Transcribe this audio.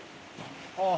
ああ。